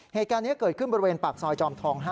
เหตุการณ์นี้เกิดขึ้นบริเวณปากซอยจอมทอง๕